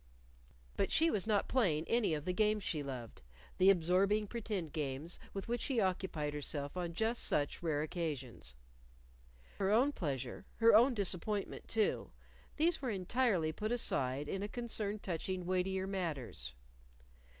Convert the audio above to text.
But she was not playing any of the games she loved the absorbing pretend games with which she occupied herself on just such rare occasions. Her own pleasure, her own disappointment, too, these were entirely put aside in a concern touching weightier matters.